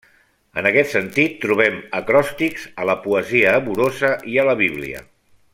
En aquest sentit trobem acròstics a la poesia amorosa i a la Bíblia.